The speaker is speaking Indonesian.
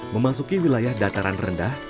memasuki wilayah dataran rendah